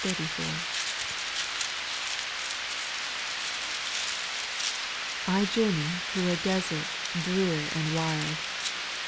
'I JOURNEY through a desert drear and wild.